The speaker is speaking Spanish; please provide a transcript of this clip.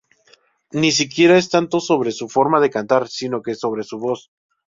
Ni siquiera es tanto sobre su forma de cantar sino que sobre su voz.